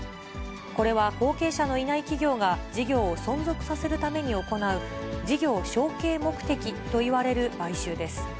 これは後継者のいない企業が、事業を存続させるために行う、事業承継目的といわれる買収です。